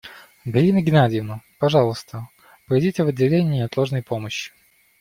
Галина Геннадьевна, пожалуйста, пройдите в отделение неотложной помощи.